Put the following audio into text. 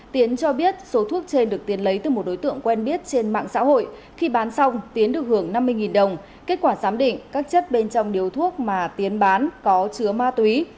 tiến cho biết số thuốc trên được tiến lấy từ một đối tượng quen biết trên mạng xã hội khi bán xong tiến được hưởng năm mươi đồng kết quả giám định các chất bên trong điếu thuốc mà tiến bán có chứa ma túy